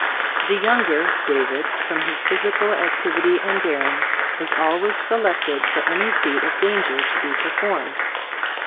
The younger, David, from his physical ac tivity and daring, was always selected for any feat of danger to be per formed.